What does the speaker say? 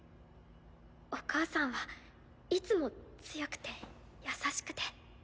お母さんはいつも強くて優しくて。